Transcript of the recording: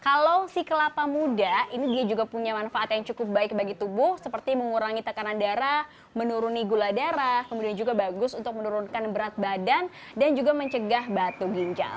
kalau si kelapa muda ini dia juga punya manfaat yang cukup baik bagi tubuh seperti mengurangi tekanan darah menuruni gula darah kemudian juga bagus untuk menurunkan berat badan dan juga mencegah batu ginjal